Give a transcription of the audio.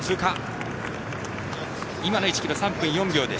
今の１ｋｍ、３分４秒です。